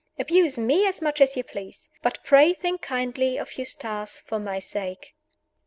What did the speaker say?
Abuse me as much as you please. But pray think kindly of Eustace for my sake.